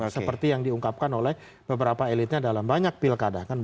seperti yang diungkapkan oleh beberapa elitnya dalam banyak pilkada